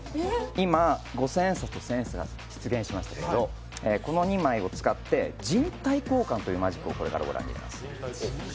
今、五千円札、千円札が出現しましたけどこの２枚を使って人体交換というマジックをこれからご覧いただきます。